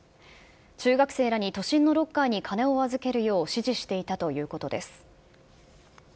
中学生らに都心のロッカーに金を預けるよう指示していたということです。